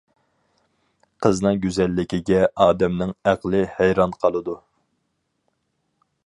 قىزنىڭ گۈزەللىكىگە ئادەمنىڭ ئەقلى ھەيران قالىدۇ.